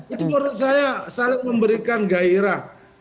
itu menurut saya saling memberikan gairah